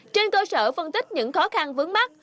trên cơ sở phân tích những khó khăn vướng mắt